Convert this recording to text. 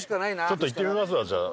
ちょっと行ってみますわじゃあ。